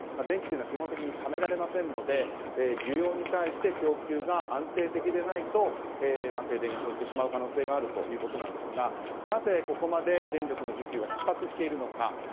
電気は基本的にためられませんので需要に対して供給が安定的でないと停電が生じてしまう可能性があるということですがなぜここまで電力の需給がひっ迫しているのか。